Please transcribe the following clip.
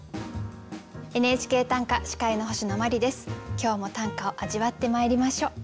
今日も短歌を味わってまいりましょう。